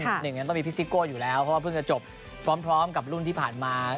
หนึ่งนั้นต้องมีพิซิโก้อยู่แล้วเพราะว่าเพิ่งจะจบพร้อมกับรุ่นที่ผ่านมา